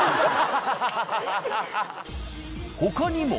他にも。